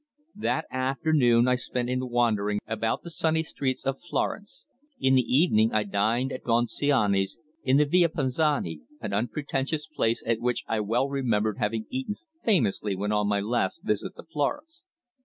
That afternoon I spent in wandering about the sunny streets of Florence. In the evening I dined at Bonciani's, in the Via Panzani, an unpretentious place at which I well remembered having eaten famously when on my last visit to Florence.